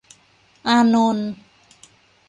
อานนท์